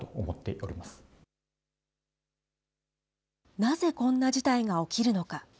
なぜこんな事態が起きるのか。